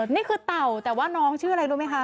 เต่าแต่ว่าน้องชื่ออะไรรู้ไหมคะ